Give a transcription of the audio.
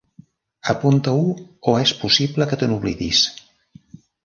Apunta-ho o és possible que te n'oblidis.